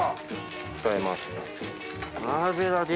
使います。